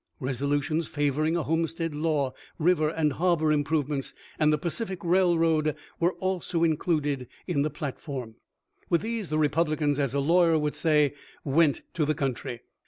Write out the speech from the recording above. Resolutions favoring a homestead law, river and harbor improvements, and the Pacific railroad were also included in the platform. With these the Republicans, as a lawyer would say, went to the country.